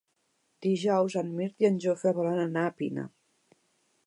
Dijous en Mirt i en Jofre volen anar a Pina.